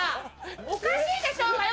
おかしいでしょうがよ！